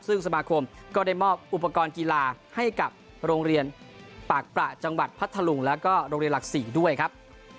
ซึ่งสมาคมก็ได้มอบอุปกรณ์กีฬาให้กับโรงเรียนปากประจังหวัดพัทธลุงแล้วก็โรงเรียนหลัก๔ด้วยครับ